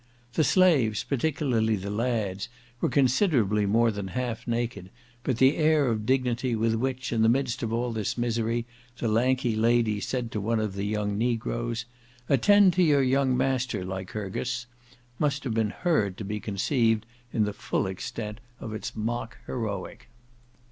The slaves, particularly the lads, were considerably more than half naked, but the air of dignity with which, in the midst of all this misery, the lanky lady said to one of the young negroes, "Attend to your young master, Lycurgus," must have been heard to be conceived in the full extent of its mock heroic.